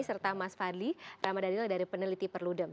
serta mas fadli ramadhanil dari peneliti perludem